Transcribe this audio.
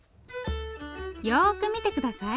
よく見て下さい。